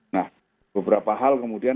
nah beberapa hal kemudian